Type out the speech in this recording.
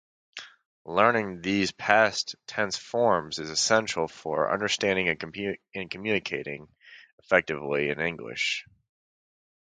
Learning these past tense forms is essential for understanding and communicating effectively in English.